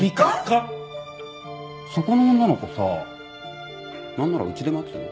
そこの女の子さなんならうちで待つ？